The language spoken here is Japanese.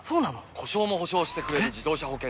故障も補償してくれる自動車保険といえば？